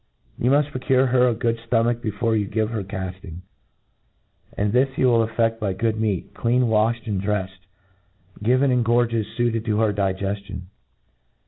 You mufl: procure her a good ftomach before you give her calling ; and this you will cffea by good meat, clean waflied and dreficd, given in gorges fuited to her digeftion.